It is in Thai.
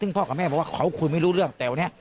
นึกสิก่อนแล้วว่าคุยไม่รู้เรื่องกัน